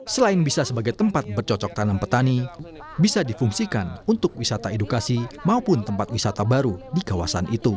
selain bisa sebagai tempat bercocok tanam petani bisa difungsikan untuk wisata edukasi maupun tempat wisata baru di kawasan itu